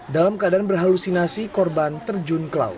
dalam keadaan berhalusinasi korban terjun ke laut